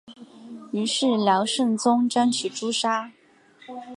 于是辽圣宗将其诛杀。